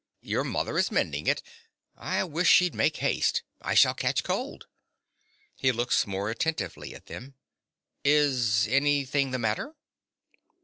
Your mother is mending it. I wish she'd make haste. I shall catch cold. (He looks more attentively at them.) Is anything the matter?